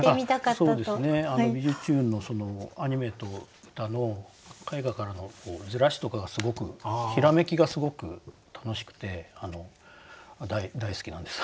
そうですね「びじゅチューン！」のアニメと歌の絵画からのずらしとかがすごくひらめきがすごく楽しくて大好きなんです。